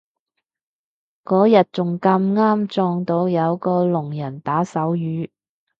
嗰日仲咁啱撞到有個聾人打手語